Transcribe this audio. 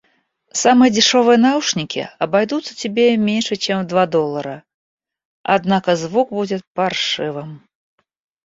Самые дешёвые наушники обойдутся тебе меньше, чем в два доллара, однако звук будет паршивым.